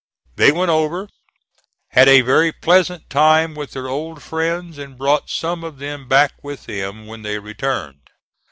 They went over, had a very pleasant time with their old friends, and brought some of them back with them when they returned.